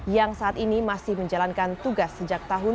yang saat ini masih menjalankan tugas sejak tahun dua ribu